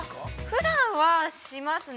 ◆ふだんはしますね。